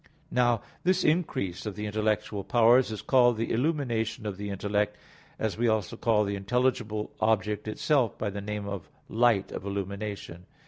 Now this increase of the intellectual powers is called the illumination of the intellect, as we also call the intelligible object itself by the name of light of illumination.